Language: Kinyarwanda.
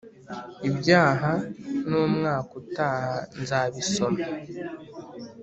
iby’aha n’umwaka utaha nzabisoma